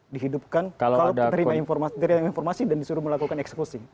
dihidupkan kalau penerima informasi dan disuruh melakukan eksekusi